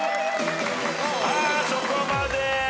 そこまで！